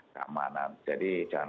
keamanan jadi jangan